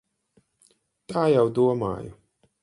Tā jau domāju.